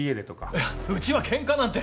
いやうちはケンカなんて！